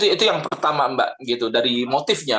itu yang pertama mbak gitu dari motifnya